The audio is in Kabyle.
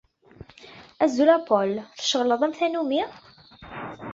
Azul a Paul. Tceɣleḍ am tannumi?